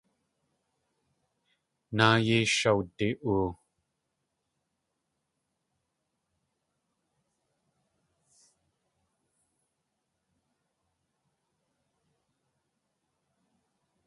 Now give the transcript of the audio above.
Náa yéi shawdi.oo.